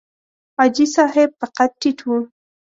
حاجي صاحب په قد ټیټ و.